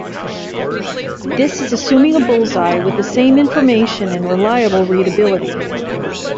This is assuming a bull's eye with the same information and reliable readability.